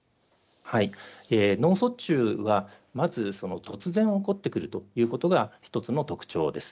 脳卒中はまず突然起こってくるということが１つの特徴です。